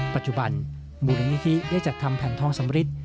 ปัจจุบันมูลนิธิได้จัดทำแผ่นทองสำริท